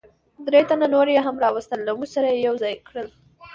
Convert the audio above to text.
درې تنه نور یې هم را وستل، له موږ سره یې یو ځای کړل.